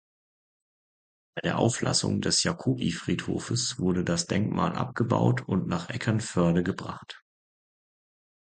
Bei der Auflassung des Jacobi-Friedhofes wurde das Denkmal abgebaut und nach Eckernförde gebracht.